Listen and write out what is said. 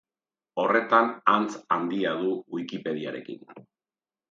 Horretan antz handia du Wikipediarekin.